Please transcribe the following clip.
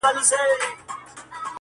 مجموعه ده د روحونو په رگو کي،